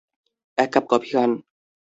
এক cup coffee খান।